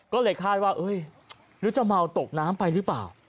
ก็เลยคาดว่าหรือจะเมาตกน้ำไปหรือเปล่า